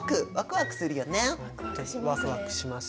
ワクワクします。